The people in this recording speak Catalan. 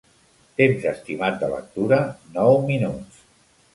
Temps estimat de lectura: nou minuts.